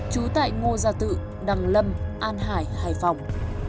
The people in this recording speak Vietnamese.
chú tại ngô gia tự đằng lâm an hải hải phòng